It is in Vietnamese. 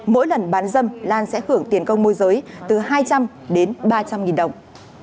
mỗi lần bán dâm lan sẽ hưởng tiền công môi giới từ hai trăm linh đến ba trăm linh nghìn đồng